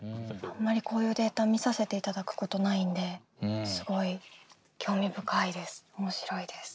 あんまりこういうデータ見させていただくことないんですごい興味深いです。